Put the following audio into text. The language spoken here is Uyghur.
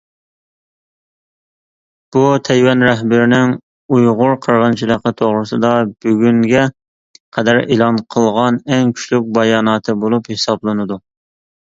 بۇ تەيۋەن رەھبىرىنىڭ ئۇيغۇر قىرغىنچىلىقى توغرىسىدا بۈگۈنگە قەدەر ئېلان قىلغان ئەڭ كۈچلۈك باياناتى بولۇپ ھېسابلىنىدۇ.